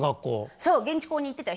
そう現地校に行ってたよ。